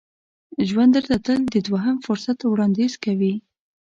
ژوند درته تل د دوهم فرصت وړاندیز کوي.